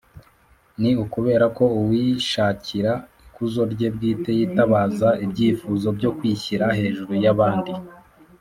Ni ukubera ko uwishakira ikuzo rye bwite yitabaza ibyifuzo byo kwishyira hejuru y’abandi